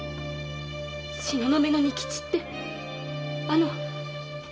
「東雲の仁吉」ってあの盗っ人の？